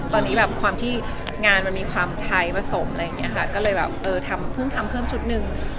ตอนนี้เวลามีความไทยผสมเราก็เพิ่มเพิ่มชุดหนึ่ง